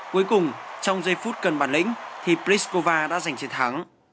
cuối cùng trong giây phút cần bản lĩnh thì priskova đã giành chiến thắng